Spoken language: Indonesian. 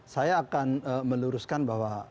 saya akan meluruskan bahwa